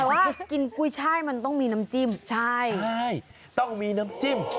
แต่ว่ากินกุ้ยช่ายมันต้องมีน้ำจิ้มใช่ใช่ต้องมีน้ำจิ้ม